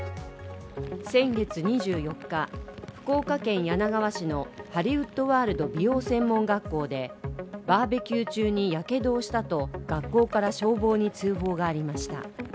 先月２４日、福岡県柳川市のハリウッドワールド美容専門学校でバーベキュー中にやけどをしたと学校から消防に通報がありました。